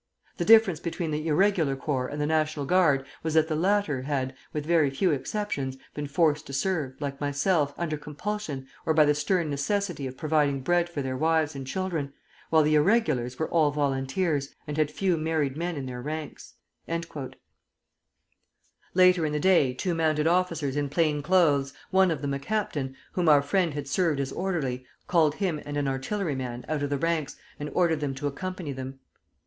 The difference between the irregular corps and the National Guard was that the latter had, with very few exceptions, been forced to serve, like myself, under compulsion, or by the stern necessity of providing bread for their wives and children, while the Irregulars were all volunteers, and had few married men in their ranks." Later in the day two mounted officers in plain clothes, one of them a captain, whom our friend had served as orderly, called him and an artilleryman out of the ranks, and ordered them to accompany them.